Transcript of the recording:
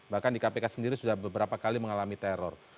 bahkan di kpk sendiri sudah beberapa kali mengalami teror